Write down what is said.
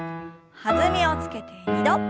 弾みをつけて２度。